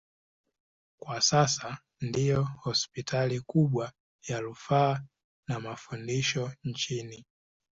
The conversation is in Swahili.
Kwa sasa ndiyo hospitali kubwa ya rufaa na mafundisho nchini.